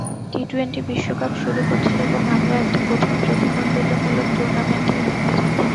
T twenty বিশ্বকাপ শুরু হচ্ছে এবং আমরা একটা কঠিন প্রতিদ্বন্দ্বিতামূলক টুর্নামেন্টই দেখতে যাচ্ছি।